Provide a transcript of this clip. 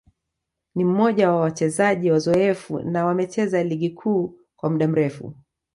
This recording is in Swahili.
ni mmoja wa wachezaji wazoefu na wamecheza Ligi Kuu kwa muda mrefu